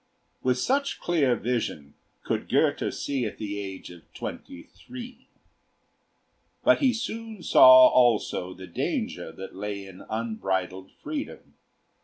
With such clear vision could Goethe see at the age of twenty three. But he soon saw also the danger that lay in unbridled freedom.